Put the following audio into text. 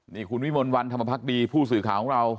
นี่คุณวิมลวันธรรมพักดีผู้สื่อข่าวของเรา